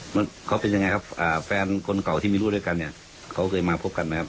มันเขาเป็นยังไงครับอ่าแฟนคนเก่าที่มีลูกด้วยกันเนี่ยเขาเคยมาพบกันไหมครับ